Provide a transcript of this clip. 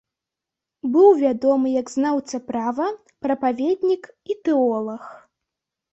Быў вядомы як знаўца права, прапаведнік і тэолаг.